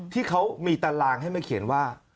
ที่เขามีตารางให้มาเขียนว่า